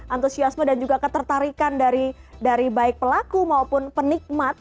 antusiasme dan juga ketertarikan dari baik pelaku maupun penikmat